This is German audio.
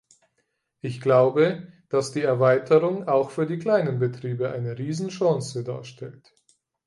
Ich glaube, dass die Erweiterung auch für die kleinen Betriebe eine Riesenchance darstellt.